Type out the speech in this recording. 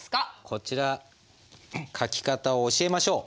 こちら書き方を教えましょう。